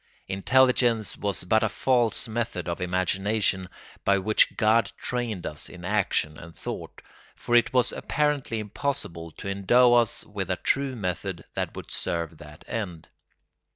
Intelligence was but a false method of imagination by which God trained us in action and thought; for it was apparently impossible to endow us with a true method that would serve that end.